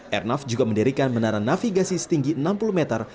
airnav juga mendirikan menara navigasi setinggi enam puluh meter